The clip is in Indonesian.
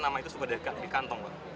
tapi nama itu sudah ada di kantong